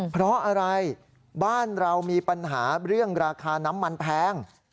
เพราะอะไรบ้านเรามีปัญหาเรื่องราคาน้ำมันแพง